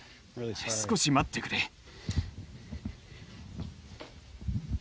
少し待ってくれ。